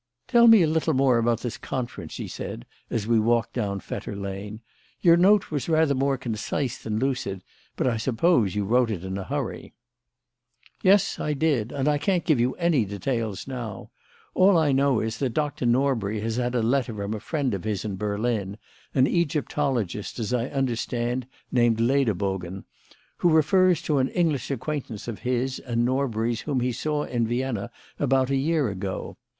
"Tell me a little more about this conference," she said, as we walked down Fetter Lane. "Your note was rather more concise than lucid; but I suppose you wrote it in a hurry." "Yes, I did. And I can't give you any details now. All I know is that Doctor Norbury has had a letter from a friend of his in Berlin, an Egyptologist, as I understand, named Lederbogen, who refers to an English acquaintance of his and Norbury's whom he saw in Vienna about a year ago.